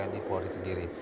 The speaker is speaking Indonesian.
tapi juga kepadanya sendiri